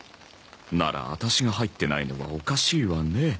ならアタシが入ってないのはおかしいわね。